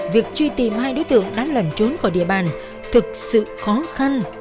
việc truy tìm hai đối tượng đã lẩn trốn khỏi địa bàn thực sự khó khăn